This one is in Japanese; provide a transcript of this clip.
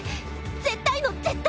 絶対の絶対！